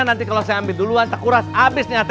nanti kalau saya ambil duluan tak kuras habis nih